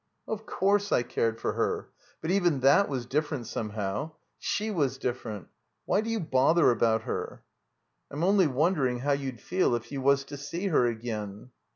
"Of course I cared for her. But even that was different somehow. She was diflFerent. Why do you bother about her?" "I'm only wondering how you'd feel if you was to see her again."